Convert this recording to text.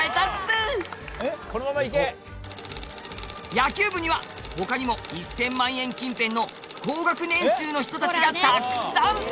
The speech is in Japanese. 野球部には他にも１０００万円近辺の高額年収の人たちがたくさん！